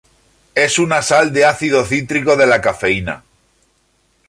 Es una sal de ácido cítrico de la cafeína.